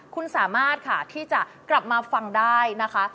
คุณสามารถค่ะที่จะกลับมาฟังได้นะคะ